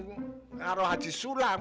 kalau hadis sulam